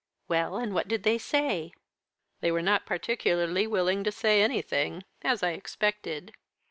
"Well, and what did they say?" "They were not particularly willing to say anything as I expected.